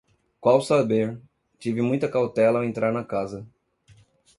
Qual saber! tive muita cautela, ao entrar na casa.